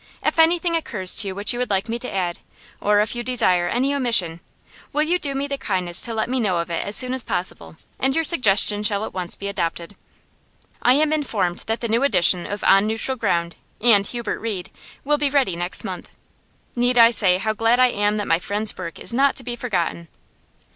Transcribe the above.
If anything occurs to you which you would like me to add, or if you desire any omission, will you do me the kindness to let me know of it as soon as possible, and your suggestion shall at once be adopted. I am informed that the new edition of "On Neutral Ground" and "Hubert Reed" will be ready next month. Need I say how glad I am that my friend's work is not to be forgotten?